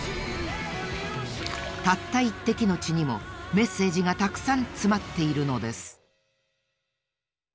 たった１てきの血にもメッセージがたくさんつまっているのです。